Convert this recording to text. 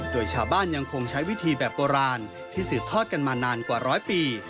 โดยชาวบ้านยังคงใช้วิธีแบบโบราณที่สืบทอดกันมานานกว่าร้อยปี